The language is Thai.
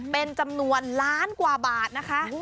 เป็นจำนวนล้านกว่าบาทนะคะ